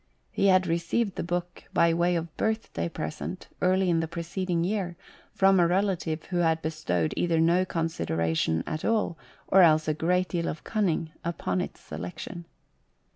He had received the book, by way of birthday present, early in the preceding year, from a relative who had bestowed either no consider ation at all, or else a great deal of cunning, upon its selection.